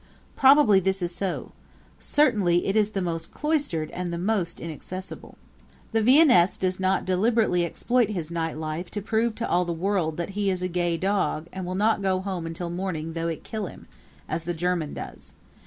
Probably this is so certainly it is the most cloistered and the most inaccessible. The Viennese does not deliberately exploit his night life to prove to all the world that he is a gay dog and will not go home until morning though it kill him as the German does.